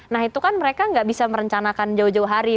nah itu kan mereka nggak bisa merencanakan jauh jauh hari